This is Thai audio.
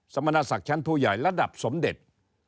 สมณศักดิ์ชั้นผู้ใหญ่ระดับสมเด็จ